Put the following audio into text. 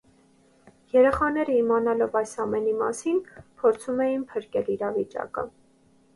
Երեխաները, իմանալով այս ամենի մասին, փորձում են փրկել իրավիճակը։